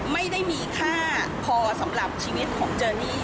ไม่ได้มีค่าพอสำหรับชีวิตของเจนี่